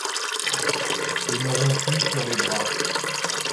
Et n’auront plus sur les bras